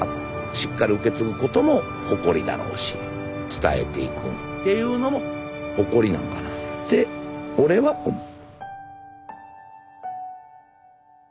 しっかり受け継ぐことも誇りだろうし伝えていくっていうのも誇りなんかなって俺は思う。